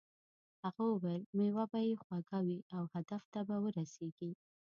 هغه وویل میوه به یې خوږه وي او هدف ته به ورسیږې.